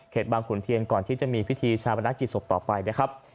เขตบางหกุลเทียนก่อนที่จะมีพิธีชาวนาคต์กิจศพต่อไปนะครับ